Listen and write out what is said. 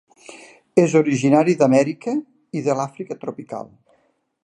És originari d'Amèrica i de l'Àfrica tropical.